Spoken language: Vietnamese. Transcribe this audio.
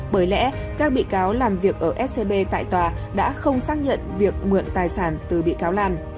bởi lẽ các bị cáo làm việc ở scb tại tòa đã không xác nhận việc mượn tài sản từ bị cáo lan